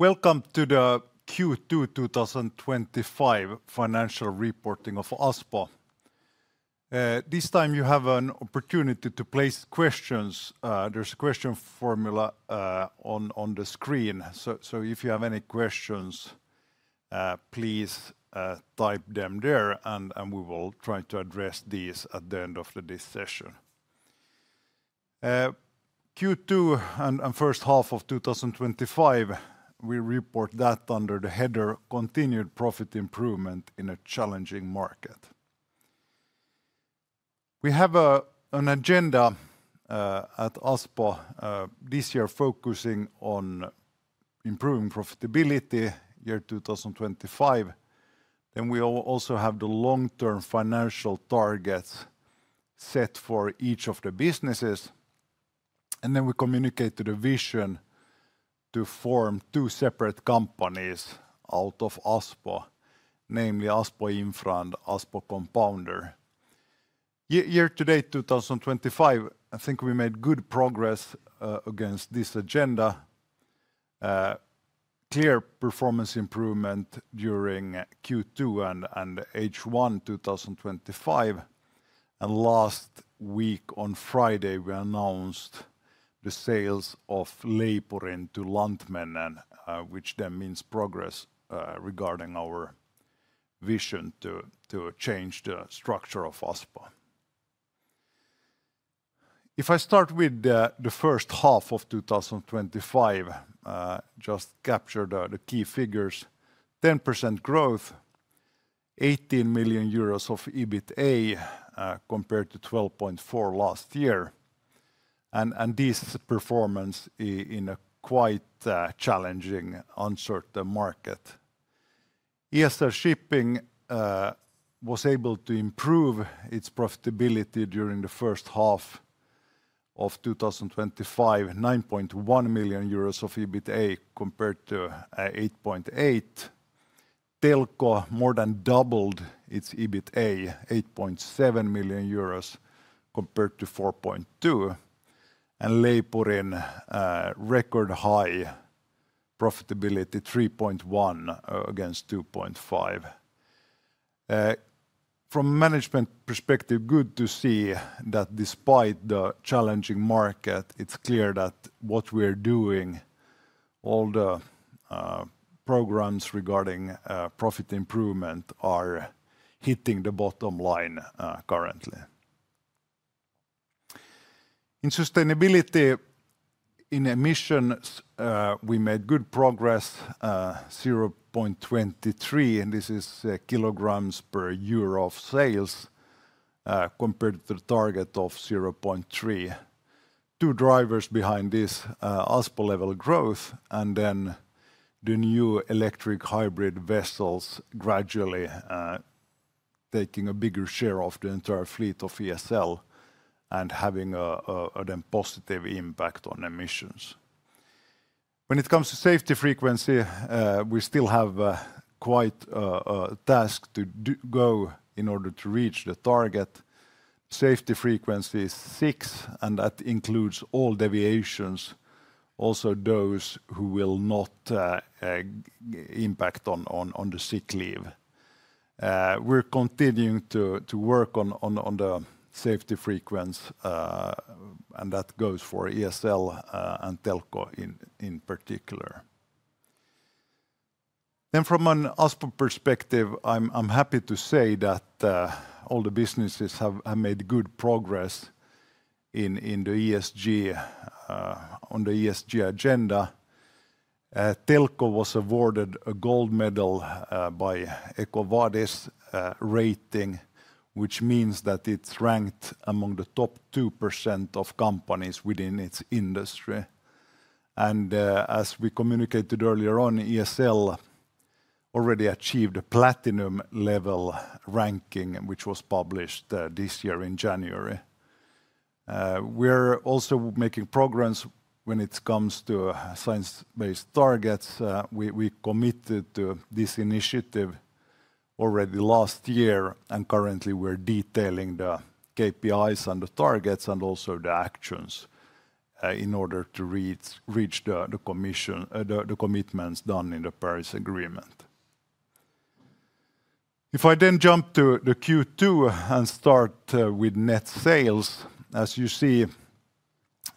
Welcome to the Q2 2025 Financial Reporting of Aspo. This time you have an opportunity to place questions. There's a question formula on the screen. If you have any questions, please type them there, and we will try to address these at the end of this session. Q2 and first half of 2025, we report that under the header "Continued Profit Improvement in a Challenging Market." We have an agenda at Aspo this year focusing on improving profitability year 2025. We also have the long-term financial targets set for each of the businesses. We communicate the vision to form two separate companies out of Aspo, namely Aspo Infra and Aspo Compounder. Year to date 2025, I think we made good progress against this agenda. Clear performance improvement during Q2 and H1 2025. Last week on Friday, we announced the sales of "Leipurin to Lantmännen," which then means progress regarding our vision to change the structure of Aspo. If I start with the first half of 2025, just capture the key figures: 10% growth, 18 million euros of EBITDA compared to 12.4 million last year. This performance in a quite challenging, uncertain market. ESL Shipping was able to improve its profitability during the first half of 2025, 9.1 million euros of EBITDA compared to 8.8 million. Telko more than doubled its EBITDA, 8.7 million euros compared to 4.2 million. Leipurin, record high profitability, 3.1 million against 2.5 million. From a management perspective, good to see that despite the challenging market, it's clear that what we are doing, all the programs regarding profit improvement, are hitting the bottom line currently. In sustainability, in emissions, we made good progress, 0.23 kg, and this is kilograms per year of sales compared to the target of 0.3 kg. Two drivers behind this: Aspo level growth and the new electric hybrid vessels gradually taking a bigger share of the entire fleet of ESL and having a positive impact on emissions. When it comes to safety frequency, we still have quite a task to go in order to reach the target. Safety frequency is six, and that includes all deviations, also those who will not impact on the sick leave. We're continuing to work on the safety frequency, and that goes for ESL and Telko in particular. From an Aspo perspective, I'm happy to say that all the businesses have made good progress on the ESG agenda. Telko was awarded a gold medal by EcoVadis rating, which means that it's ranked among the top 2% of companies within its industry. As we communicated earlier on, ESL already achieved a platinum level ranking, which was published this year in January. We're also making progress when it comes to science-based targets. We committed to this initiative already last year, and currently we're detailing the KPIs and the targets and also the actions in order to reach the commitments done in the Paris Agreement. If I then jump to Q2 and start with net sales, as you see,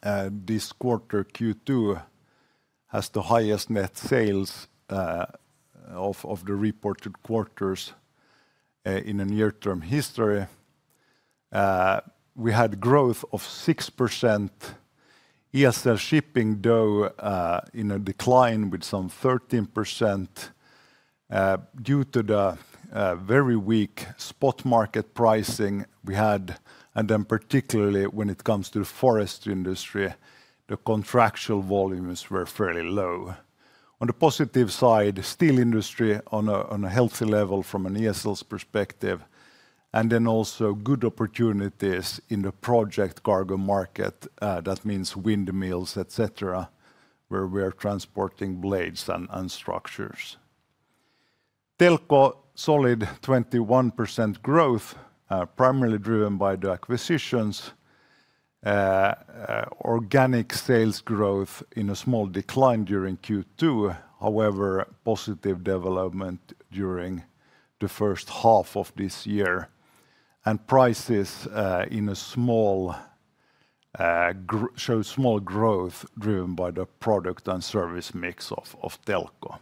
this quarter Q2 has the highest net sales of the reported quarters in near-term history. We had growth of 6%. ESL Shipping, though, in a decline with some 13% due to the very weak spot market pricing we had. Particularly when it comes to the forest industry, the contractual volumes were fairly low. On the positive side, steel industry on a healthy level from an ESL perspective, and also good opportunities in the project cargo market. That means windmills, etc., where we are transporting blades and structures. Telko, solid 21% growth, primarily driven by the acquisitions. Organic sales growth in a small decline during Q2. However, positive development during the first half of this year. Prices show small growth driven by the product and service mix of Telko.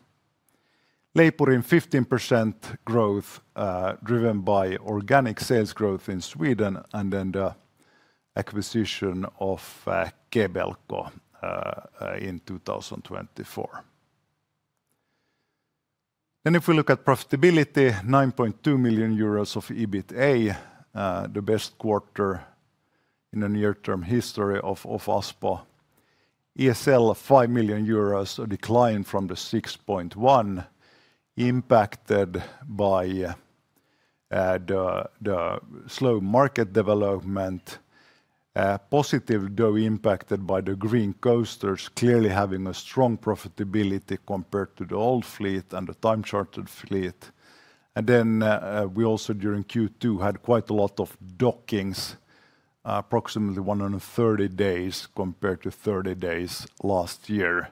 Leipurin, 15% growth driven by organic sales growth in Sweden and the acquisition of Kebelco in 2024. If we look at profitability, 9.2 million euros of EBITDA, the best quarter in the near-term history of Aspo. ESL, 5 million euros, a decline from the 6.1 million, impacted by the slow market development. Positive, though, impacted by the green coasters, clearly having a strong profitability compared to the old fleet and the time-chartered fleet. During Q2, we had quite a lot of dockings, approximately 130 days compared to 30 days last year,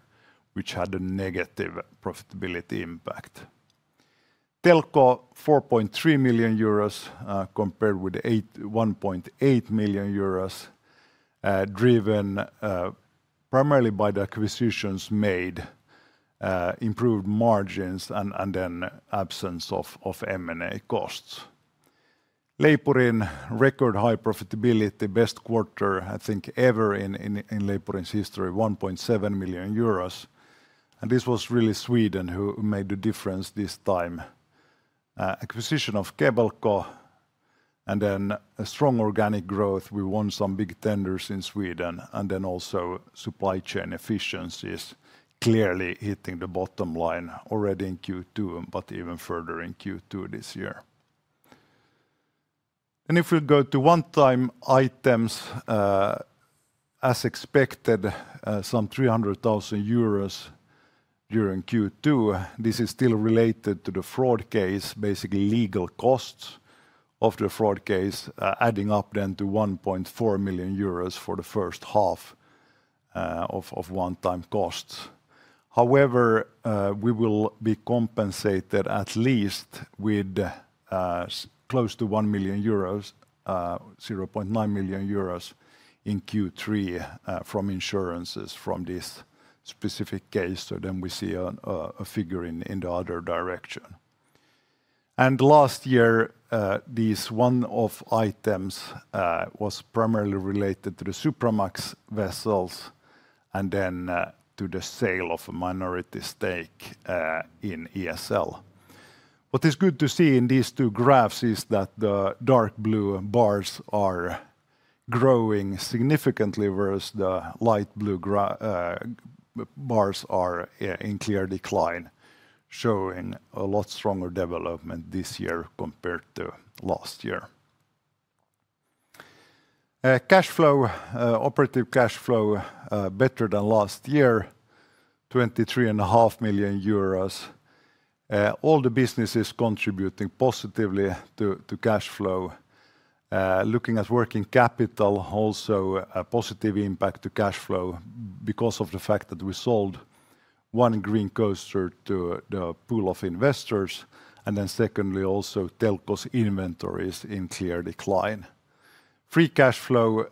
which had a negative profitability impact. Telko, 4.3 million euros compared with 1.8 million euros, driven primarily by the acquisitions made, improved margins, and the absence of M&A costs. Leipurin, record high profitability, best quarter ever in Leipurin's history, 1.7 million euros. This was really Sweden who made the difference this time. Acquisition of Kebelco and a strong organic growth. We won some big tenders in Sweden and also supply chain efficiencies, clearly hitting the bottom line already in Q2 but even further in Q2 this year. If we go to one-time items, as expected, some 300,000 euros during Q2. This is still related to the fraud case, basically legal costs of the fraud case, adding up then to 1.4 million euros for the first half of one-time costs. However, we will be compensated at least with close to 1 million euros, 0.9 million euros in Q3 from insurances from this specific case. We see a figure in the other direction. Last year, these one-off items were primarily related to the Supramax vessels and to the sale of a minority stake in ESL. What is good to see in these two graphs is that the dark blue bars are growing significantly, whereas the light blue bars are in clear decline, showing a lot stronger development this year compared to last year. Cash flow, operative cash flow, better than last year, 23.5 million euros. All the businesses contributing positively to cash flow. Looking at working capital, also a positive impact to cash flow because of the fact that we sold one green coaster vessel to the pool of investors. Secondly, also Telko's inventories in clear decline. Free cash flow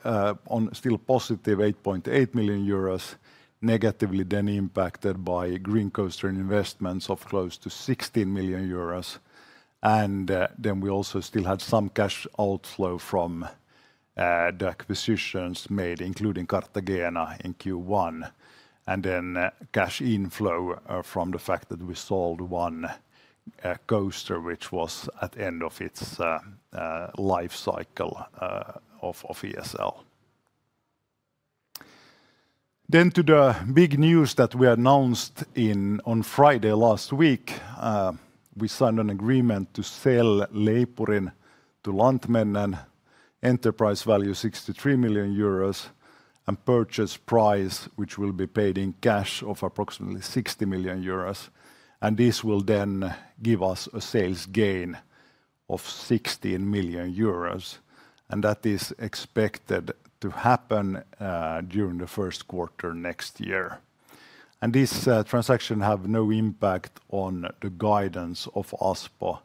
still positive, 8.8 million euros, negatively then impacted by green coaster vessel investments of close to 16 million euros. We also still had some cash outflow from the acquisitions made, including Kartagena in Q1, and cash inflow from the fact that we sold one coaster, which was at the end of its life cycle of ESL. To the big news that we announced on Friday last week, we signed an agreement to sell Leipurin to Lantmännen, enterprise value 63 million euros, and purchase price, which will be paid in cash, of approximately 60 million euros. This will then give us a sales gain of 16 million euros. That is expected to happen during the first quarter next year. This transaction has no impact on the guidance of Aspo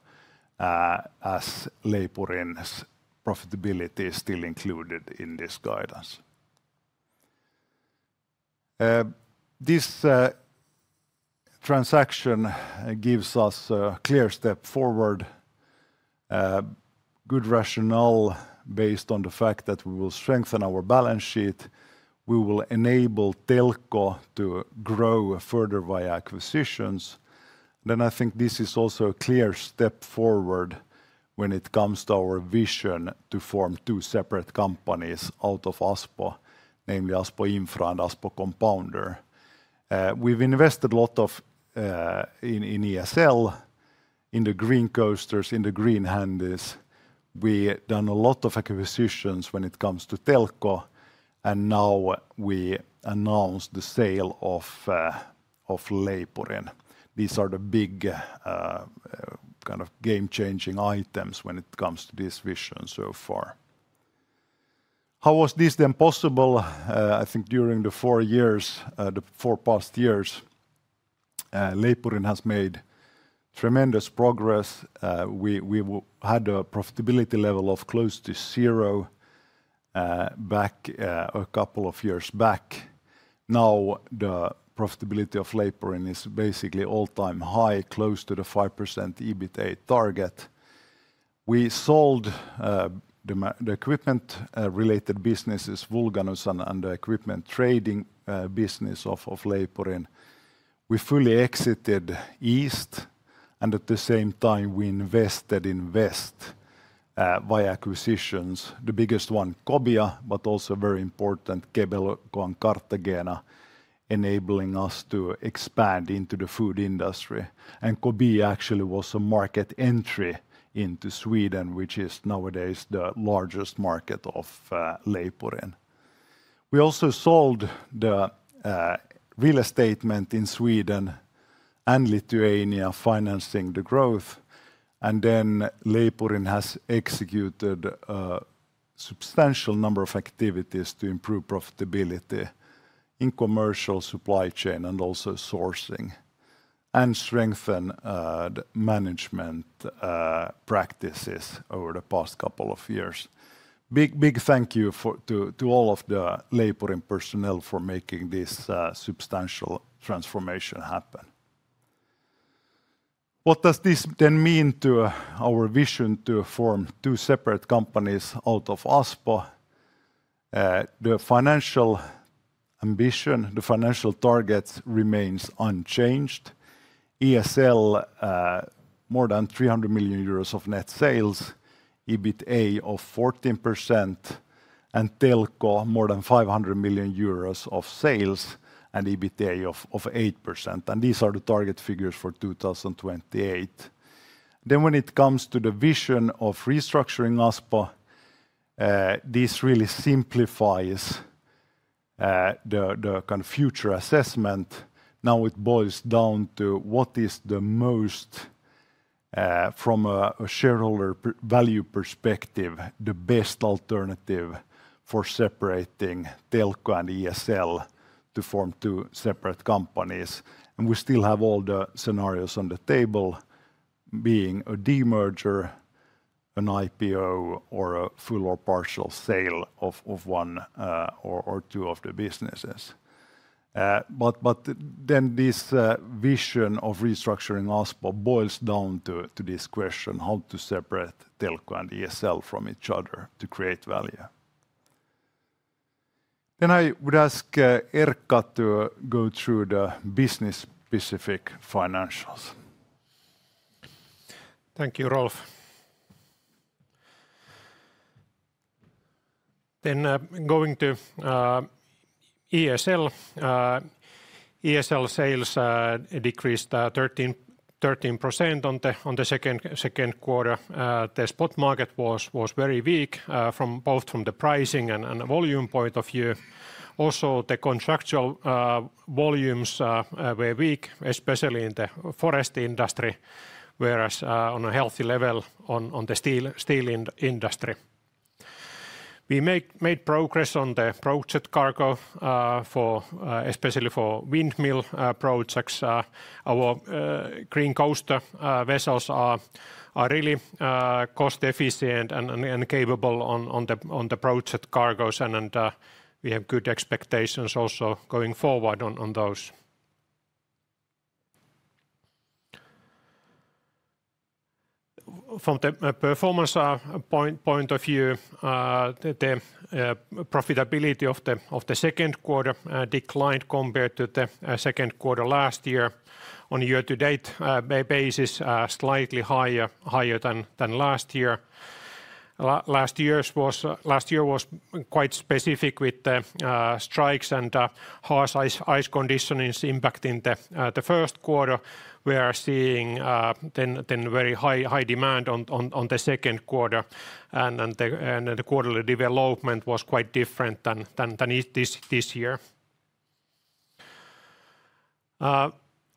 as Leipurin's profitability is still included in this guidance. This transaction gives us a clear step forward, good rationale based on the fact that we will strengthen our balance sheet. We will enable Telko to grow further via acquisitions. I think this is also a clear step forward when it comes to our vision to form two separate companies out of Aspo, namely Aspo Infra and Aspo Compounder. We've invested a lot in ESL, in the green coasters, in the green handies. We've done a lot of acquisitions when it comes to Telko, and now we announce the sale of Leipurin. These are the big kind of game-changing items when it comes to this vision so far. How was this then possible? I think during the four years, the four past years, Leipurin has made tremendous progress. We had a profitability level of close to zero back a couple of years back. Now the profitability of Leipurin is basically all-time high, close to the 5% EBITDA target. We sold the equipment-related businesses, Vulganus and the equipment trading business of Leipurin. We fully exited East, and at the same time, we invested in West via acquisitions. The biggest one, Kobia, but also very important, Kebelco and Kartagena, enabling us to expand into the food industry. Kobia actually was a market entry into Sweden, which is nowadays the largest market of Leipurin. We also sold the real estate in Sweden and Lithuania, financing the growth. Leipurin has executed a substantial number of activities to improve profitability in commercial supply chain and also sourcing and strengthen management practices over the past couple of years. Big, big thank you to all of the Leipurin personnel for making this substantial transformation happen. What does this then mean to our vision to form two separate companies out of Aspo? The financial ambition, the financial targets remain unchanged. ESL, more than 300 million euros of net sales, EBITDA of 14%, and Telko, more than 500 million euros of sales and EBITDA of 8%. These are the target figures for 2028. When it comes to the vision of restructuring Aspo, this really simplifies the kind of future assessment. Now it boils down to what is the most, from a shareholder value perspective, the best alternative for separating Telko and ESL to form two separate companies. We still have all the scenarios on the table, being a demerger, an IPO, or a full or partial sale of one or two of the businesses. This vision of restructuring Aspo boils down to this question, how to separate Telko and ESL from each other to create value. I would ask Erkka to go through the business-specific financials. Thank you, Rolf. Going to ESL, ESL sales decreased 13% in the second quarter. The spot market was very weak, both from the pricing and the volume point of view. Also, the contractual volumes were weak, especially in the forest industry, whereas on a healthy level in the steel industry. We made progress on the project cargo, especially for windmill projects. Our green coaster vessels are really cost-efficient and capable on the project cargos, and we have good expectations also going forward on those. From the performance point of view, the profitability of the second quarter declined compared to the second quarter last year. On a year-to-date basis, slightly higher than last year. Last year was quite specific with the strikes and the harsh ice conditions impacting the first quarter. We are seeing very high demand in the second quarter, and the quarterly development was quite different than it is this year.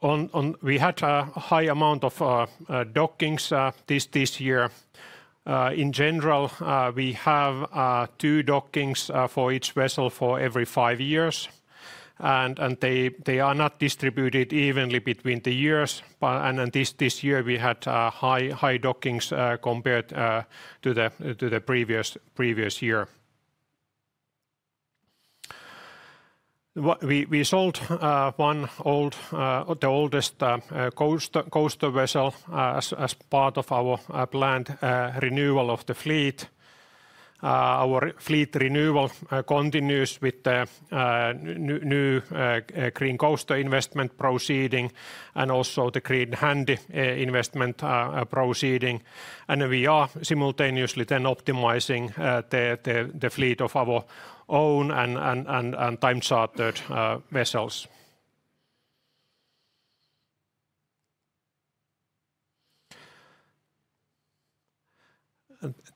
We had a high amount of dockings this year. In general, we have two dockings for each vessel for every five years, and they are not distributed evenly between the years. This year, we had high dockings compared to the previous year. We sold one old, the oldest coaster vessel as part of our planned renewal of the fleet. Our fleet renewal continues with the new green coaster investment proceeding and also the green handy investment proceeding. We are simultaneously optimizing the fleet of our own and time-chartered vessels.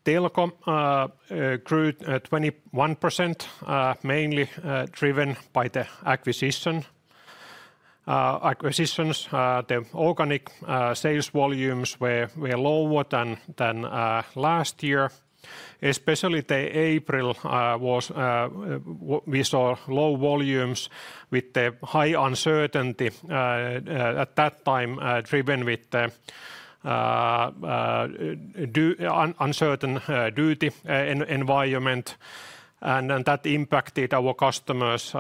Telko grew 21%, mainly driven by the acquisition. Acquisitions, the organic sales volumes were lower than last year. Especially in April, we saw low volumes with the high uncertainty at that time, driven with the uncertain duty environment. That impacted our customers'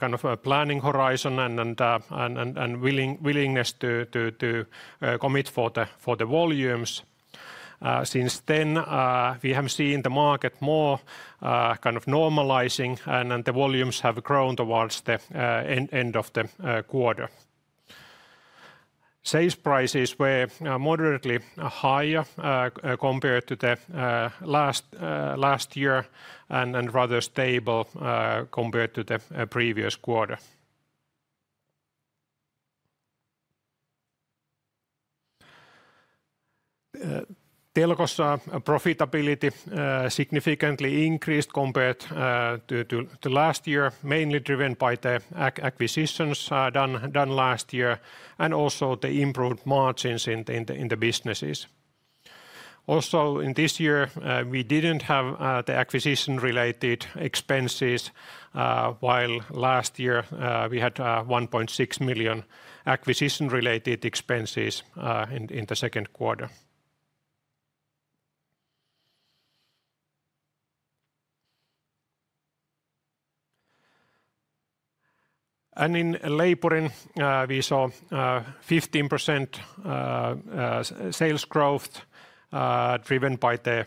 kind of planning horizon and willingness to commit for the volumes. Since then, we have seen the market more normalizing, and the volumes have grown towards the end of the quarter. Sales prices were moderately higher compared to last year and rather stable compared to the previous quarter. Telko's profitability significantly increased compared to last year, mainly driven by the acquisitions done last year and also the improved margins in the businesses. Also, in this year, we didn't have the acquisition-related expenses, while last year we had 1.6 million acquisition-related expenses in the second quarter. In Leipurin, we saw 15% sales growth driven by the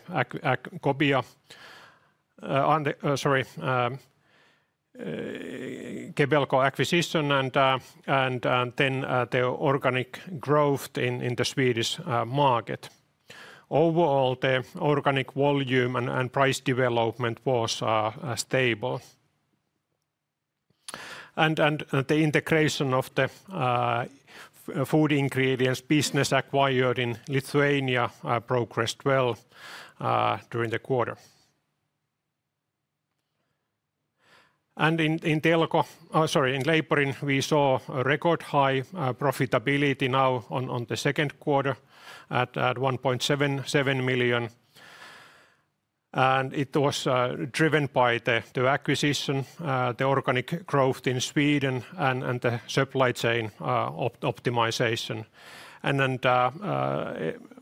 Kebelco acquisition and the organic growth in the Swedish market. Overall, the organic volume and price development was stable. The integration of the food ingredients business acquired in Lithuania progressed well during the quarter. In Leipurin, we saw a record high profitability now on the second quarter at 1.77 million. It was driven by the acquisition, the organic growth in Sweden, and the supply chain optimization.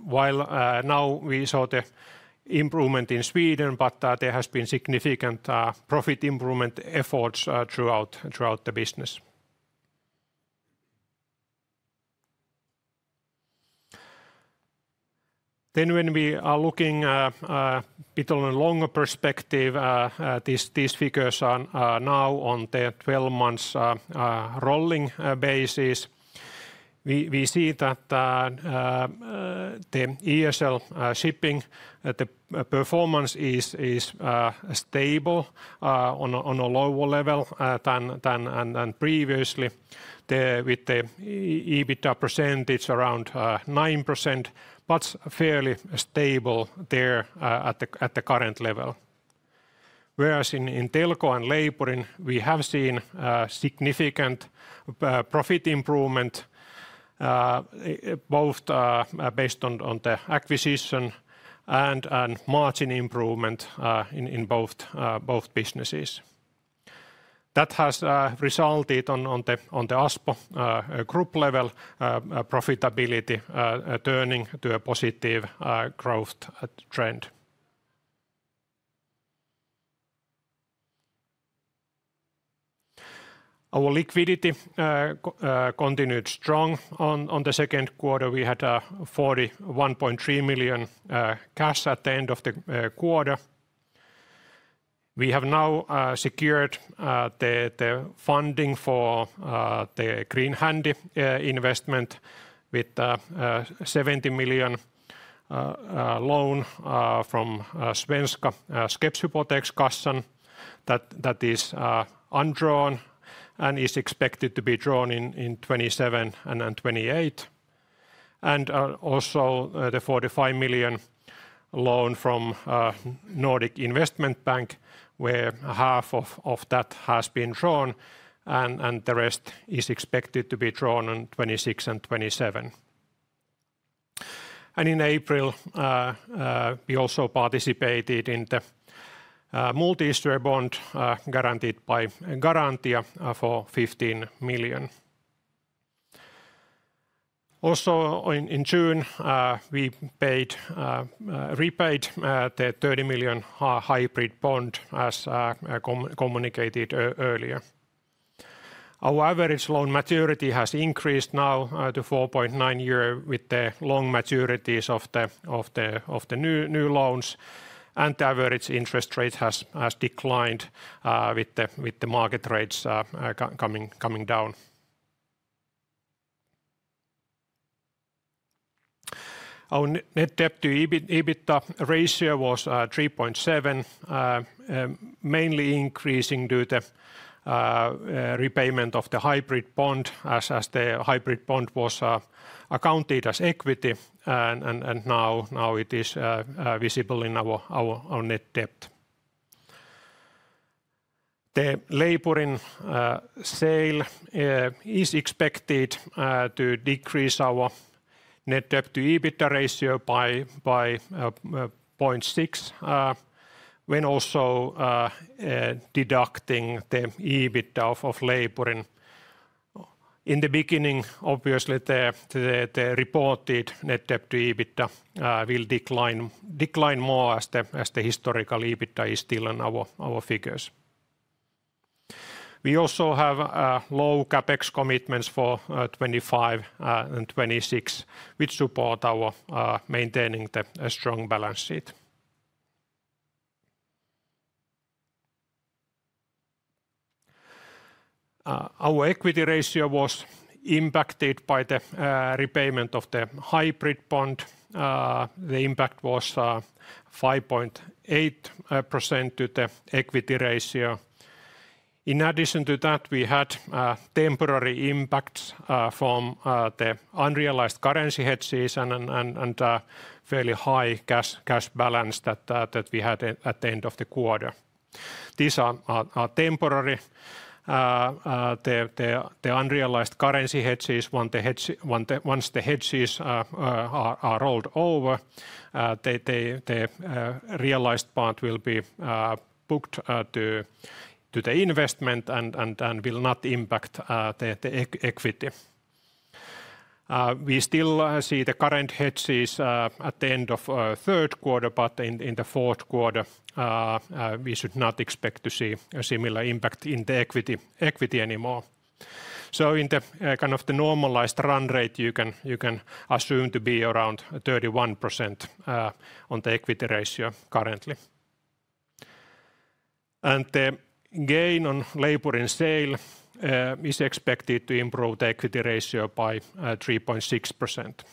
While we saw the improvement in Sweden, there has been significant profit improvement efforts throughout the business. When we are looking a bit on a longer perspective, these figures are now on the 12 months rolling basis. We see that ESL Shipping, the performance is stable on a lower level than previously, with the EBITDA percentage around 9%, but fairly stable there at the current level. Whereas in Telko and Leipurin, we have seen significant profit improvement, both based on the acquisition and margin improvement in both businesses. That has resulted on the Aspo group level profitability turning to a positive growth trend. Our liquidity continued strong on the second quarter. We had 41.3 million cash at the end of the quarter. We have now secured the funding for the green handy investment with a 70 million loan from Svenska Skeppshypotekskassan that is undrawn and is expected to be drawn in 2027 and 2028. Also, the 45 million loan from Nordic Investment Bank, where half of that has been drawn, and the rest is expected to be drawn in 2026 and 2027. In April, we also participated in the [multi-issuer bond] guaranteed by Garantia for EUR 15 million. In June, we repaid the 30 million hybrid bond as communicated earlier. Our average loan maturity has increased now to 4.9 years with the long maturities of the new loans, and the average interest rate has declined with the market rates coming down. Our net debt to EBITDA ratio was 3.7, mainly increasing due to the repayment of the hybrid bond, as the hybrid bond was accounted as equity, and now it is visible in our net debt. The Leipurin sale is expected to decrease our net debt to EBITDA ratio by 0.6 when also deducting the EBITDA of Leipurin. In the beginning, obviously, the reported net debt to EBITDA will decline more as the historical EBITDA is still in our figures. We also have low CapEx commitments for 2025 and 2026, which support our maintaining the strong balance sheet. Our equity ratio was impacted by the repayment of the hybrid bond. The impact was 5.8% to the equity ratio. In addition to that, we had temporary impacts from the unrealized currency hedges and the fairly high cash balance that we had at the end of the quarter. These are temporary, the unrealized currency hedges. Once the hedges are rolled over, the realized part will be booked to the investment and will not impact the equity. We still see the current hedges at the end of the third quarter. In the fourth quarter, we should not expect to see a similar impact in the equity anymore. In the kind of the normalized run rate, you can assume to be around 31% on the equity ratio currently. The gain on Leipurin sale is expected to improve the equity ratio by 3.6%.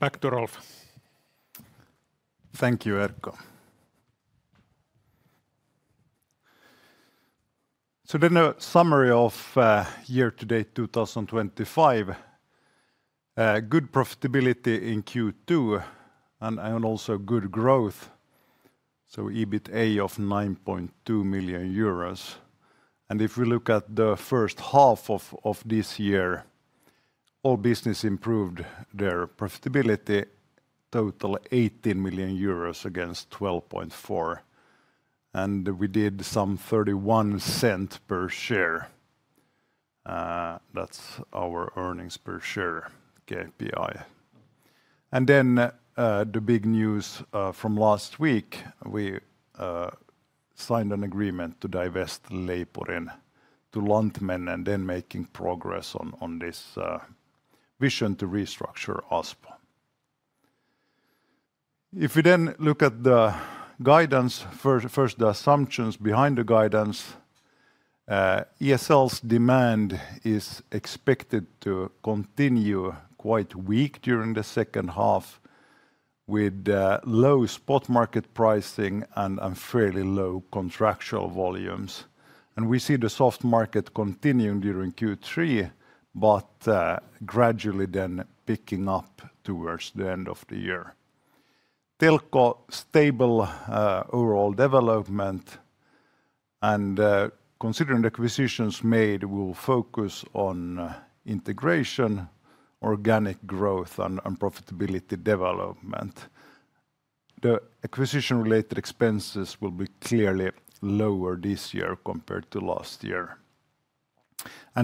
Back to Rolf. Thank you, Erkka. A summary of year to date 2025. Good profitability in Q2 and also good growth. EBITDA of 9.2 million euros. If we look at the first half of this year, all business improved their profitability, total 18 million euros against 12.4 million. We did 0.31 per share. That's our earnings per share KPI. The big news from last week, we signed an agreement to divest Leipurin to Lantmännen, making progress on this vision to restructure Aspo. If we look at the guidance, first the assumptions behind the guidance, ESL's demand is expected to continue quite weak during the second half with low spot market pricing and fairly low contractual volumes. We see the soft market continuing during Q3, gradually picking up towards the end of the year. Telko, stable overall development, and considering the acquisitions made, will focus on integration, organic growth, and profitability development. The acquisition-related expenses will be clearly lower this year compared to last year.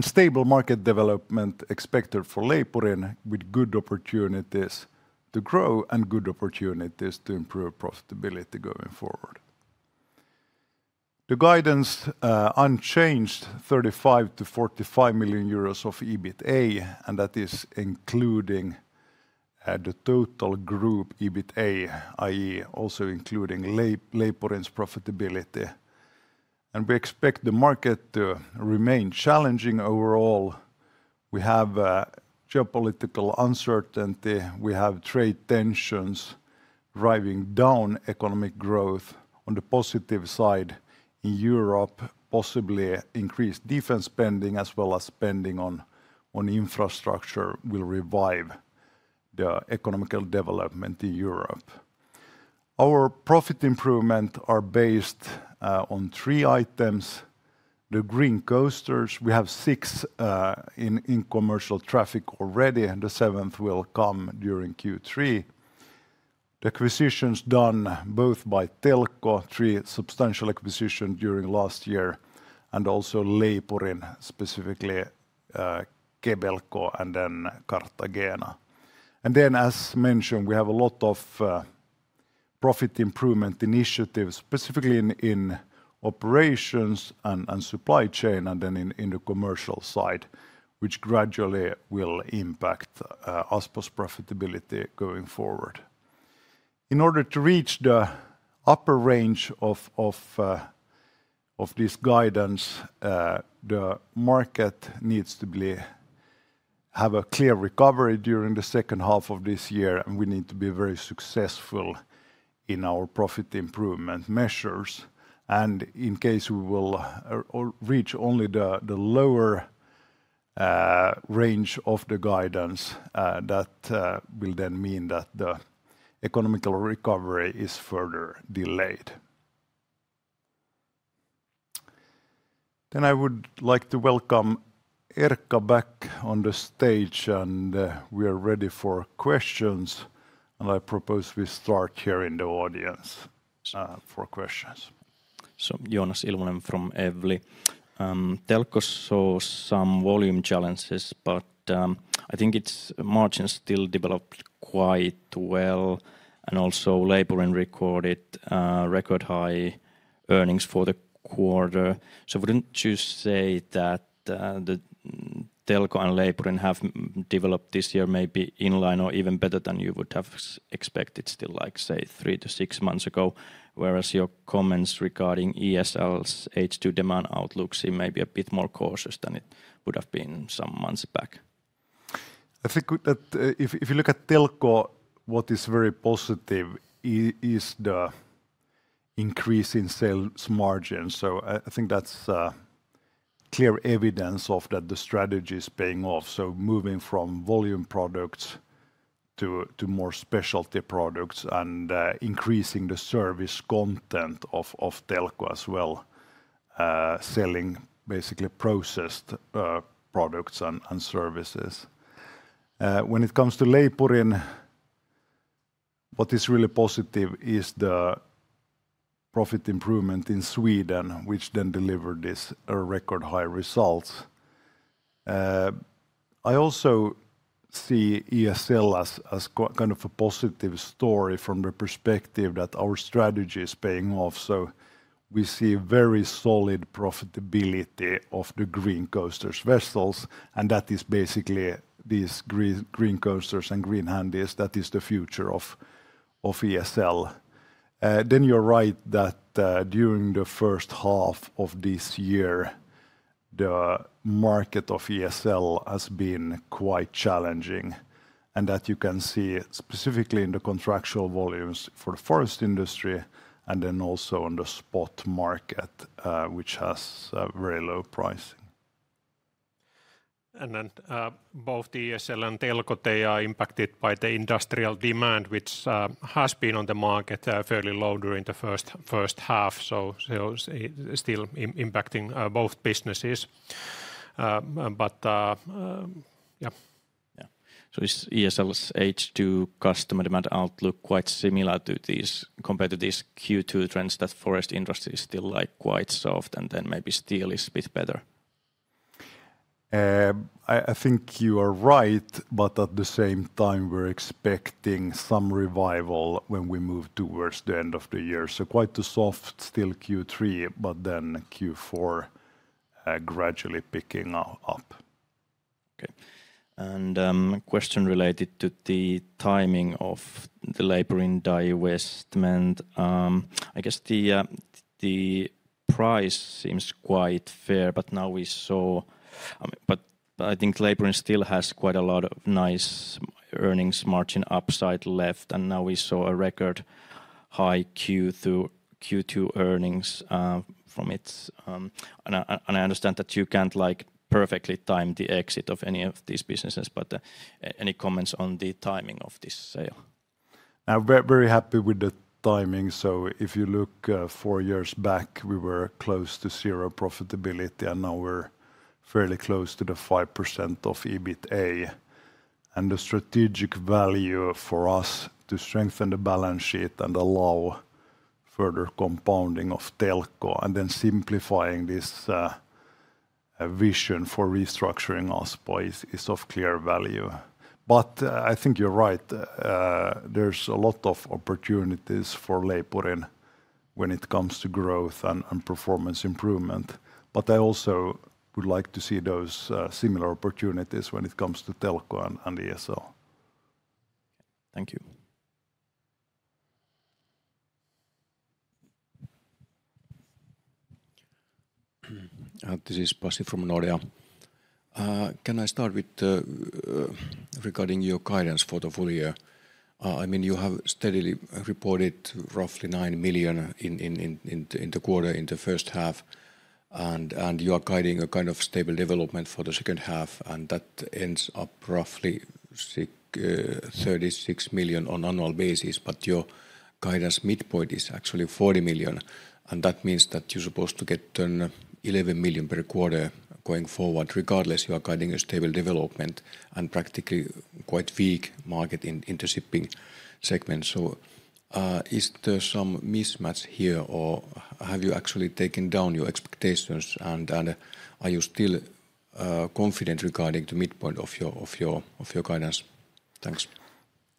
Stable market development expected for Leipurin with good opportunities to grow and good opportunities to improve profitability going forward. The guidance unchanged, 35 million-45 million euros of EBITDA, and that is including the total group EBITDA, i.e., also including Leipurin's profitability. We expect the market to remain challenging overall. We have geopolitical uncertainty. We have trade tensions driving down economic growth on the positive side in Europe. Possibly increased defense spending, as well as spending on infrastructure, will revive the economic development in Europe. Our profit improvements are based on three items. The green coaster vessels, we have six in commercial traffic already, and the seventh will come during Q3. The acquisitions done both by Telko, three substantial acquisitions during last year, and also Leipurin, specifically Kebelco and Kartagena. As mentioned, we have a lot of profit improvement initiatives, specifically in operations and supply chain, and in the commercial side, which gradually will impact Aspo's profitability going forward. In order to reach the upper range of this guidance, the market needs to have a clear recovery during the second half of this year, and we need to be very successful in our profit improvement measures. In case we will reach only the lower range of the guidance, that will mean that the economic recovery is further delayed. I would like to welcome Erkka back on the stage, and we are ready for questions. I propose we start here in the audience for questions. Jonas Ilvonen from Evli. Telko saw some volume challenges, but I think its margins still developed quite well, and also Leipurin recorded record high earnings for the quarter. Wouldn't you say that Telko and Leipurin have developed this year maybe in line or even better than you would have expected still, like say three to six months ago, whereas your comments regarding ESL's H2 demand outlook seem maybe a bit more cautious than it would have been some months back? I think that if you look at Telko, what is very positive is the increase in sales margins. I think that's clear evidence that the strategy is paying off. Moving from volume products to more specialty products and increasing the service content of Telko as well, selling basically processed products and services. When it comes to Leipurin, what is really positive is the profit improvement in Sweden, which then delivered this record high result. I also see ESL as kind of a positive story from the perspective that our strategy is paying off. We see very solid profitability of the green coaster vessels, and that is basically these green coasters and green handies. That is the future of ESL. You're right that during the first half of this year, the market of ESL has been quite challenging, and you can see that specifically in the contractual volumes for the forest industry and also on the spot market, which has very low pricing. Both ESL and Telko are impacted by the industrial demand, which has been on the market fairly low during the first half. It is still impacting both businesses. Is ESL's H2 customer demand outlook quite similar to these competitive Q2 trends, that forest industry is still quite soft and then maybe steel is a bit better? I think you are right, but at the same time, we're expecting some revival when we move towards the end of the year. Quite a soft still Q3, but then Q4 gradually picking up. Okay. A question related to the timing of the Leipurin divestment. I guess the price seems quite fair, but now we saw, I mean, I think Leipurin still has quite a lot of nice earnings margin upside left. Now we saw a record high Q2 earnings from it. I understand that you can't perfectly time the exit of any of these businesses, but any comments on the timing of this sale? I'm very happy with the timing. If you look four years back, we were close to zero profitability, and now we're fairly close to the 5% of EBITDA. The strategic value for us to strengthen the balance sheet and allow further compounding of Telko and then simplifying this vision for restructuring Aspo is of clear value. I think you're right. There's a lot of opportunities for Leipurin when it comes to growth and performance improvement. I also would like to see those similar opportunities when it comes to Telko and ESL. Thank you. [This is Basel] from Nordea. Can I start with regarding your guidance for the whole year? I mean, you have steadily reported roughly 9 million in the quarter in the first half, and you are guiding a kind of stable development for the second half. That ends up roughly 36 million on an annual basis, but your guidance midpoint is actually 40 million. That means that you're supposed to get done 11 million per quarter going forward, regardless you are guiding a stable development and practically quite weak market in shipping segments. Is there some mismatch here, or have you actually taken down your expectations, and are you still confident regarding the midpoint of your guidance? Thanks.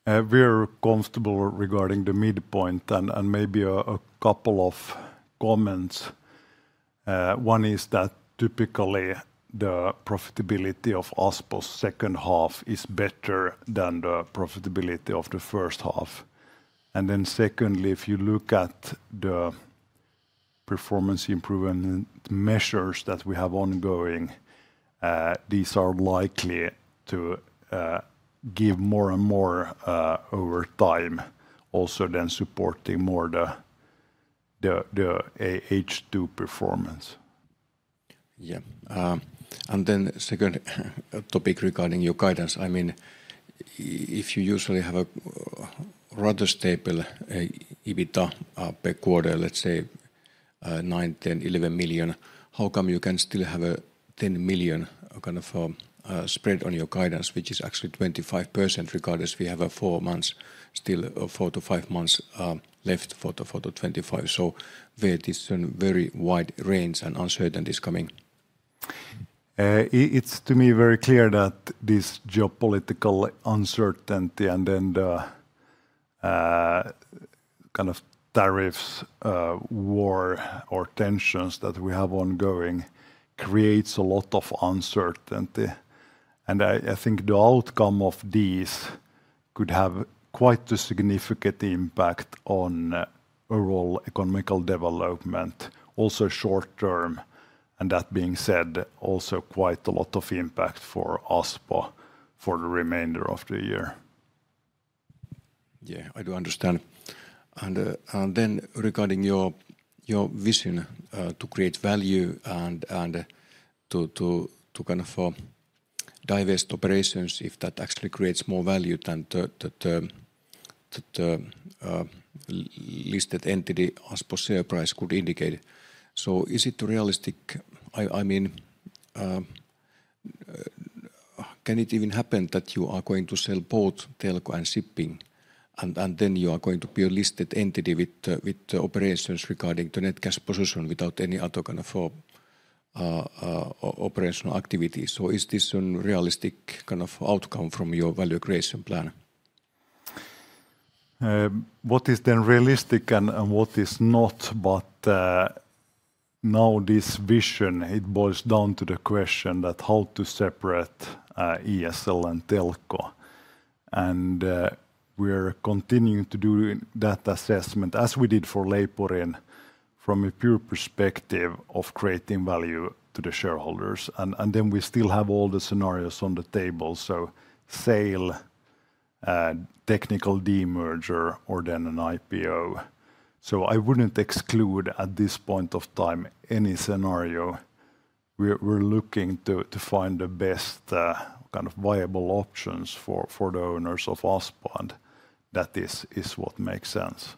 We're comfortable regarding the midpoint, and maybe a couple of comments. One is that typically the profitability of Aspo's second half is better than the profitability of the first half. Secondly, if you look at the performance improvement measures that we have ongoing, these are likely to give more and more over time, also then supporting more the H2 performance. Yeah. The second topic regarding your guidance, if you usually have a rather stable EBITDA per quarter, let's say 9 million, 10 million, 11 million, how come you can still have a 10 million kind of spread on your guidance, which is actually 25%? Regardless, we have four to five months left for the 2025. There is a very wide range and uncertainty is coming. It's to me very clear that this geopolitical uncertainty, and then the kind of tariffs war or tensions that we have ongoing, creates a lot of uncertainty. I think the outcome of these could have quite a significant impact on overall economical development, also short term. That being said, also quite a lot of impact for Aspo for the remainder of the year. Yeah, I do understand. Regarding your vision to create value and to kind of divest operations, if that actually creates more value than the listed entity Aspo share price could indicate, is it realistic? I mean, can it even happen that you are going to sell both Telko and Shipping, and then you are going to be a listed entity with operations regarding the net cash position without any other kind of operational activity? Is this a realistic kind of outcome from your value creation plan? What is then realistic and what is not? Now this vision, it boils down to the question that how to separate ESL and Telko. We are continuing to do that assessment as we did for Leipurin from a pure perspective of creating value to the shareholders. We still have all the scenarios on the table: sale, technical demerger, or an IPO. I wouldn't exclude at this point of time any scenario. We're looking to find the best kind of viable options for the owners of Aspo, and that is what makes sense.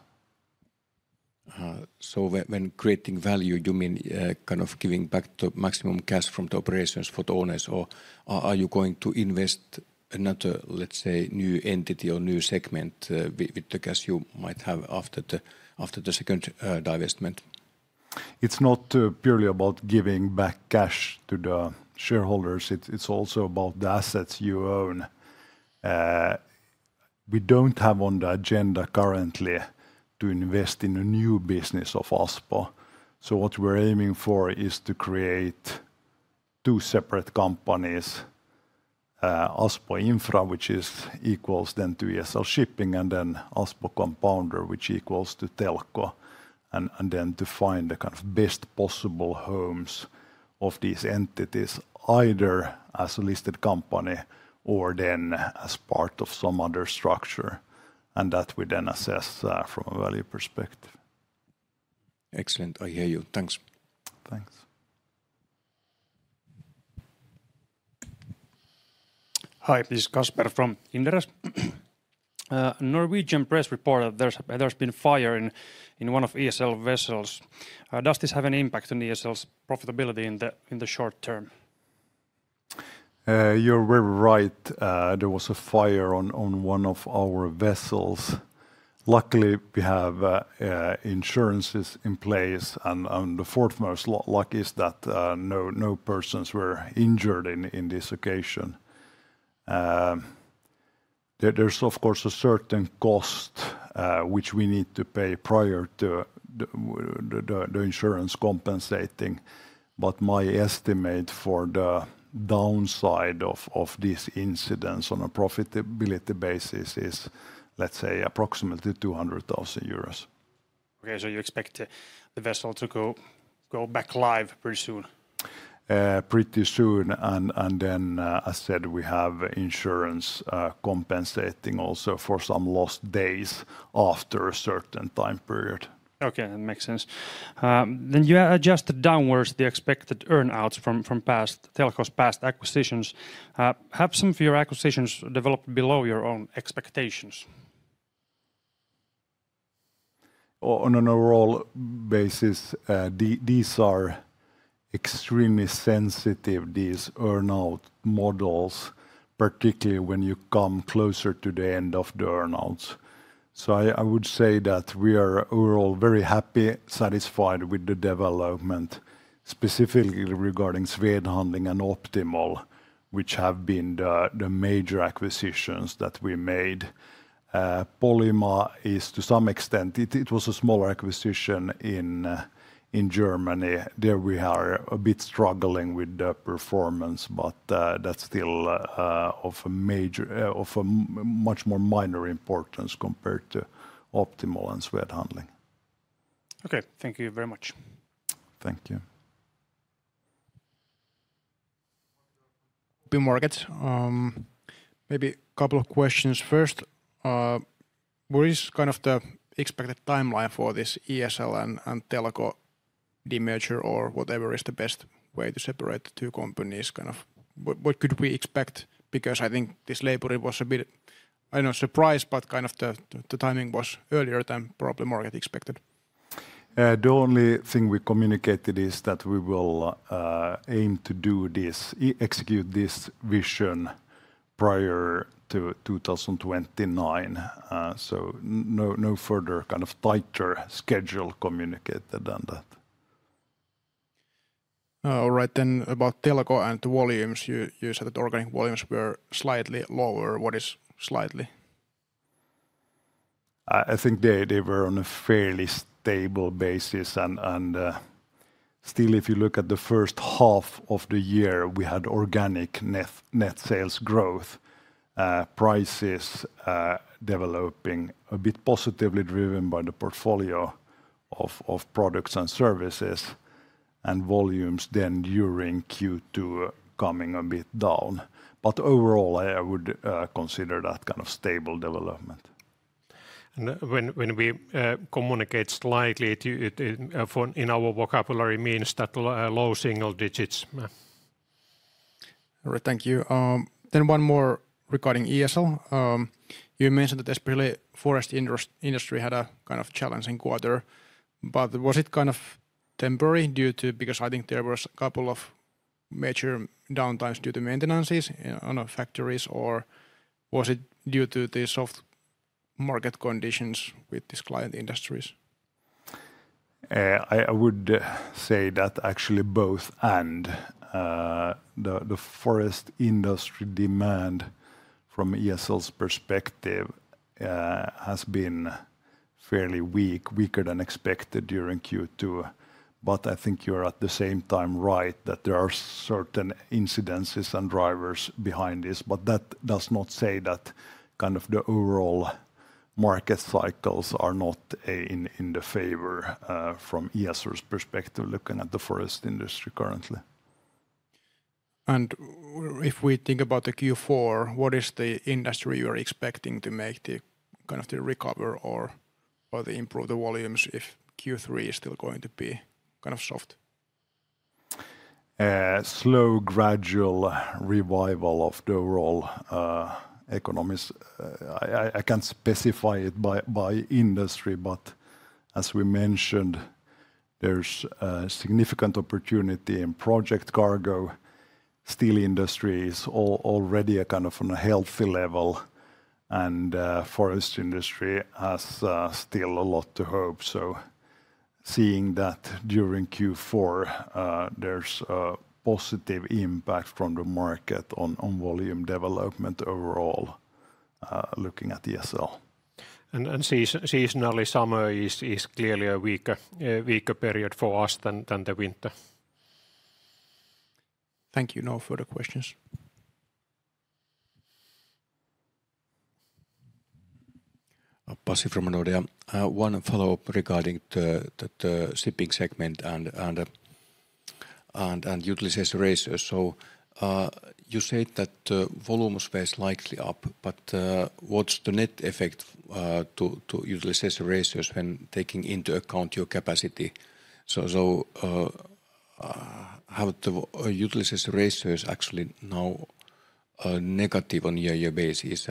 When creating value, you mean kind of giving back to maximum cash from the operations for the owners, or are you going to invest another, let's say, new entity or new segment with the cash you might have after the second divestment? It's not purely about giving back cash to the shareholders. It's also about the assets you own. We don't have on the agenda currently to invest in a new business of Aspo. What we're aiming for is to create two separate companies, Aspo Infra, which equals then to ESL Shipping, and then Aspo Compounder, which equals to Telko, and then to find the kind of best possible homes of these entities, either as a listed company or as part of some other structure. We then assess that from a value perspective. Excellent. I hear you. Thanks. Thanks. Hi, this is Kasper from Inderes. Norwegian press reported that there's been fire in one of ESL vessels. Does this have an impact on ESL's profitability in the short term? You're very right. There was a fire on one of our vessels. Luckily, we have insurances in place, and the foremost luck is that no persons were injured in this occasion. There's, of course, a certain cost which we need to pay prior to the insurance compensating. My estimate for the downside of this incidence on a profitability basis is, let's say, approximately 200,000 euros. Okay, you expect the vessel to go back live pretty soon? Pretty soon, as I said, we have insurance compensating also for some lost days after a certain time period. Okay, that makes sense. You adjusted downwards the expected earnouts from Telko's past acquisitions. Have some of your acquisitions developed below your own expectations? On an overall basis, these are extremely sensitive, these earnout models, particularly when you come closer to the end of the earnouts. I would say that we are overall very happy, satisfied with the development, specifically regarding Swed Handling and Optimol, which have been the major acquisitions that we made. Polyma is to some extent, it was a smaller acquisition in Germany. There we are a bit struggling with the performance, but that's still of a much more minor importance compared to Optimol and Swed Handling. Okay, thank you very much. Thank you. Maybe a couple of questions first. What is kind of the expected timeline for this ESL and Telko demerger or whatever is the best way to separate the two companies? Kind of what could we expect? Because I think this labor was a bit, I don't know, surprised, but kind of the timing was earlier than probably market expected. The only thing we communicated is that we will aim to do this, execute this vision prior to 2029. No further kind of tighter schedule communicated than that. All right, then about Telko and volumes, you said that organic volumes were slightly lower. What is slightly? I think they were on a fairly stable basis. If you look at the first half of the year, we had organic net sales growth, prices developing a bit positively driven by the portfolio of products and services, and volumes during Q2 coming a bit down. Overall, I would consider that kind of stable development. When we communicate slightly, it in our vocabulary means that low single digits. All right, thank you. One more regarding ESL. You mentioned that especially forest industry had a kind of challenging quarter. Was it kind of temporary due to, because I think there were a couple of major downtimes due to maintenances on factories, or was it due to the soft market conditions with these client industries? I would say that actually both, and the forest industry demand from ESL's perspective has been fairly weak, weaker than expected during Q2. I think you're at the same time right that there are certain incidences and drivers behind this, but that does not say that kind of the overall market cycles are not in the favor from ESL's perspective looking at the forest industry currently. If we think about Q4, what is the industry you're expecting to make the kind of the recover or improve the volumes if Q3 is still going to be kind of soft? Slow, gradual revival of the overall economies. I can't specify it by industry, but as we mentioned, there's a significant opportunity in project cargo. Steel industry is already a kind of on a healthy level, and forest industry has still a lot to hope. Seeing that during Q4, there's a positive impact from the market on volume development overall, looking at ESL. Seasonally, summer is clearly a weaker period for us than the winter. Thank you. No further questions. [Basel] from Nordea. One follow-up regarding the shipping segment and utilization ratio. You said that volumes were slightly up, but what's the net effect to utilization ratios when taking into account your capacity? How is the utilization ratio actually now negative on a year-to-year basis?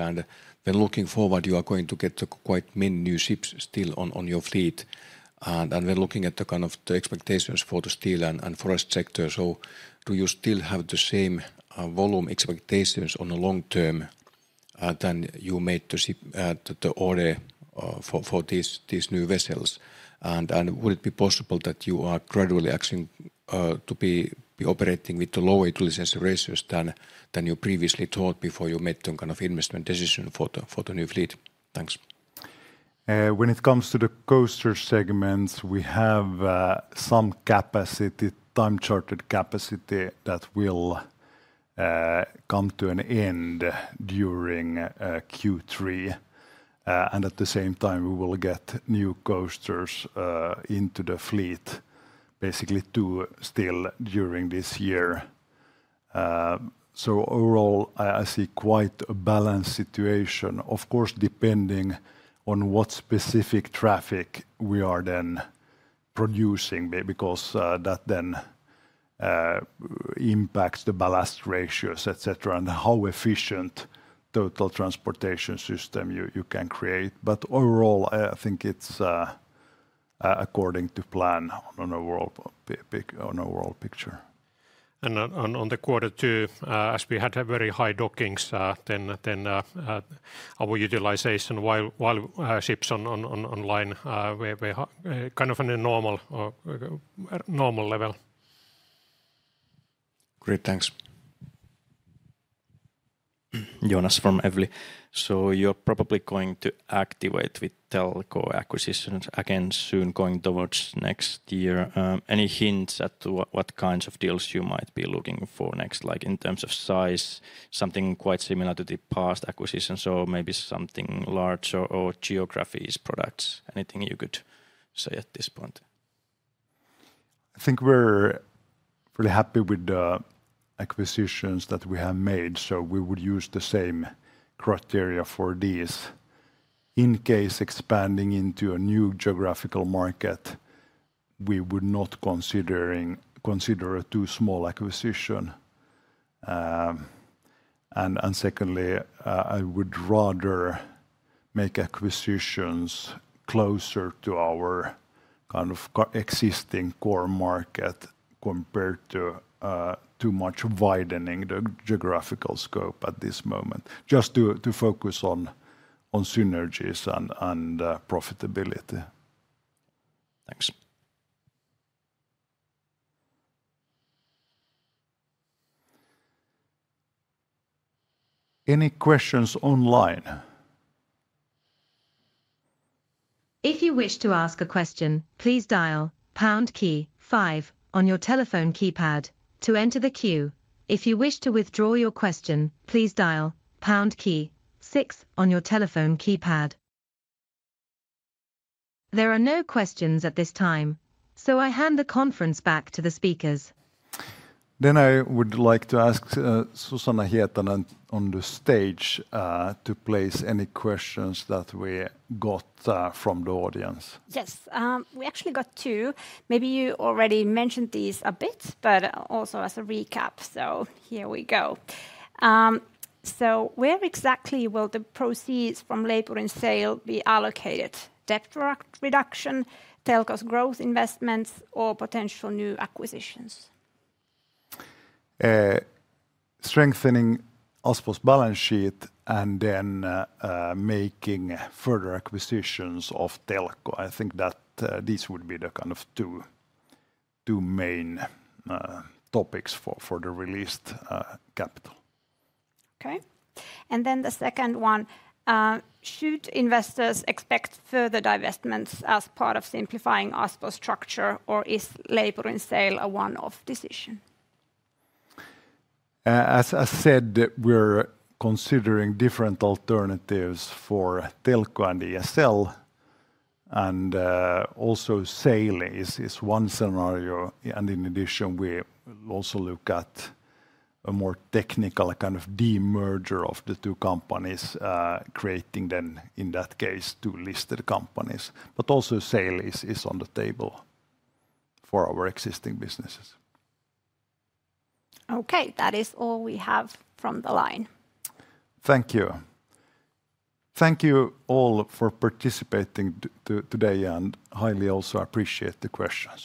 Looking forward, you are going to get quite many new ships still on your fleet. We're looking at the expectations for the steel and forest sector. Do you still have the same volume expectations on the long term that you made to order for these new vessels? Would it be possible that you are gradually actually operating with lower utilization ratios than you previously thought before you made some kind of investment decision for the new fleet? Thanks. When it comes to the coaster segments, we have some capacity, time-chartered capacity that will come to an end during Q3. At the same time, we will get new coasters into the fleet, basically two still during this year. Overall, I see quite a balanced situation. Of course, depending on what specific traffic we are then producing, because that then impacts the ballast ratios, etc., and how efficient total transportation system you can create. Overall, I think it's according to plan on an overall picture. In quarter two, as we had very high dockings, our utilization while ships online were kind of on a normal level. Great, thanks. Jonas from Evli. You're probably going to activate with Telko acquisitions again soon, going towards next year. Any hints as to what kinds of deals you might be looking for next, like in terms of size, something quite similar to the past acquisitions, or maybe something larger, or geographies, products? Anything you could say at this point? I think we're pretty happy with the acquisitions that we have made. We would use the same criteria for these. In case expanding into a new geographical market, we would not consider a too small acquisition. Secondly, I would rather make acquisitions closer to our kind of existing core market compared to too much widening the geographical scope at this moment, just to focus on synergies and profitability. Any questions online? If you wish to ask a question, please dial pound key five on your telephone keypad to enter the queue. If you wish to withdraw your question, please dial pound key six on your telephone keypad. There are no questions at this time, so I hand the conference back to the speakers. I would like to ask Susanna Hietanen on the stage to place any questions that we got from the audience. Yes, we actually got two. Maybe you already mentioned these a bit, but also as a recap. Here we go. Where exactly will the proceeds from Leipurin sale be allocated? Debt reduction, Telko's growth investments, or potential new acquisitions? Strengthening Aspo's balance sheet and then making further acquisitions of Telko. I think that these would be the kind of two main topics for the released capital. Okay. The second one, should investors expect further divestments as part of simplifying Aspo's structure, or is Leipurin sale a one-off decision? As I said, we're considering different alternatives for Telko and ESL. Also, sale is one scenario. In addition, we also look at a more technical kind of demerger of the two companies, creating then in that case two listed companies. Also, sale is on the table for our existing businesses. Okay, that is all we have from the line. Thank you. Thank you all for participating today, and highly also appreciate the questions.